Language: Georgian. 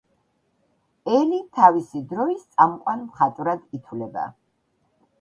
ელი თავისი დროის წამყვან მხატვრად ითვლება.